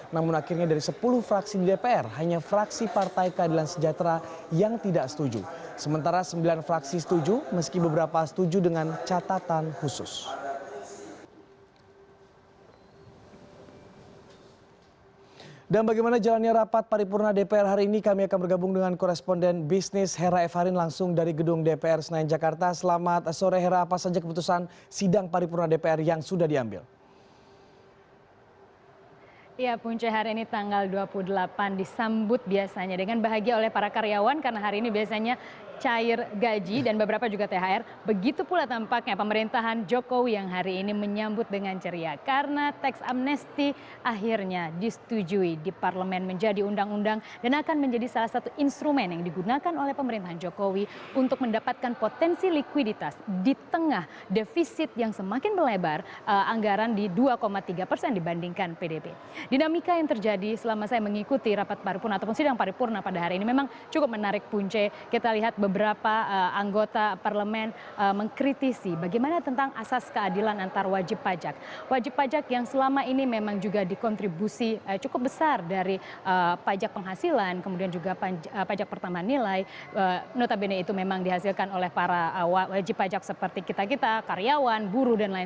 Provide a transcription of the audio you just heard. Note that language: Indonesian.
namun akhirnya dari sepuluh fraksi di dpr hanya fraksi partai keadilan sejahtera yang tidak setuju